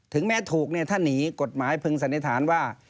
แม้ถูกเนี่ยถ้าหนีกฎหมายพึงสันนิษฐานว่า